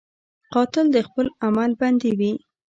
قاتل د خپل عمل بندي وي